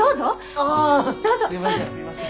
ああすいません。